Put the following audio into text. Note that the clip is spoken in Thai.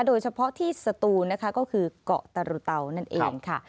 โดยเฉพาะที่สตูนนะคะก็คือเกาะตรุเตานั่นเองค่ะ